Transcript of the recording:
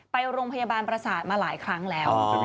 ไปโรงพยาบาลประสาทมาหลายครั้งแล้ว